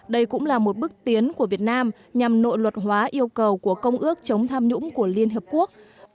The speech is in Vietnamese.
đây cũng là một bước tiến của việt nam nhằm nội luật hóa yêu cầu của công ước chống tham nhũng của liên hợp quốc